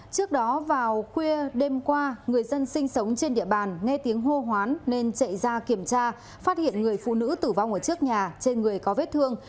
trước đó vào khuya đêm qua người dân sinh sống trên địa bàn nghe tiếng hô hoán nên chạy ra kiểm tra phát hiện người phụ nữ tử vong ở trước nhà trên người có vết thương